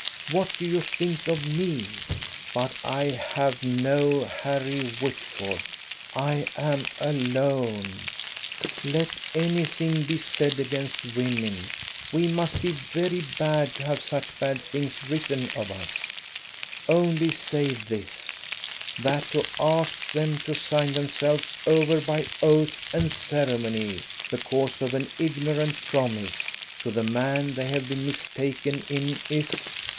what do you think of me? But I have no Harry Whitford, I am alone. Let anything be said against women; we must be very bad to have such bad things written of us: only, say this, that to ask them to sign themselves over by oath and ceremony, because of an ignorant promise, to the man they have been mistaken in, is